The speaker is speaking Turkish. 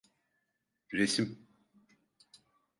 Resim…